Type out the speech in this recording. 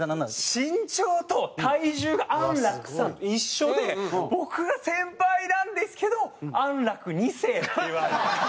身長と体重が安樂さんと一緒で僕が先輩なんですけど安樂２世って言われました。